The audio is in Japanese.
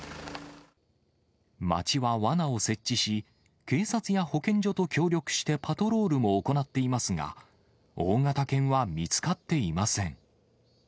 町はわなを設置し、警察や保健所と協力してパトロールも行っていますが、大型犬は見つかっていません。